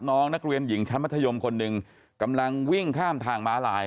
น้องนักเรียนหญิงชั้นมัธยมคนหนึ่งกำลังวิ่งข้ามทางม้าลาย